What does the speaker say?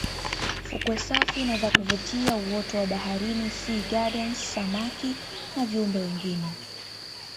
Fukwe safi na za kuvutia uoto wa baharini sea gardens samaki na viumbe wengine